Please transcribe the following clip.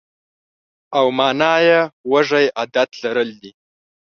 او مانا یې وږی عادت لرل دي.